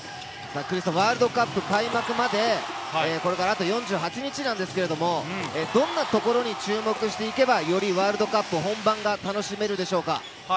ワールドカップ開幕まで、これからあと４８日なんですけれど、どんなところに注目していけば、よりワールドカップ本番が楽しめるでしょうか？